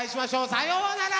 さようなら！